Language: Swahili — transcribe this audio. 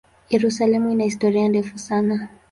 Yerusalemu ina historia ndefu sana.